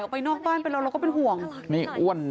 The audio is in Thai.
ยังอ้วนเหมือนเดิม